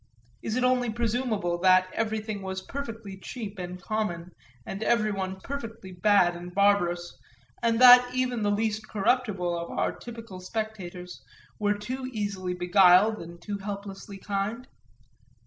is it only presumable that everything was perfectly cheap and common and everyone perfectly bad and barbarous and that even the least corruptible of our typical spectators were too easily beguiled and too helplessly kind?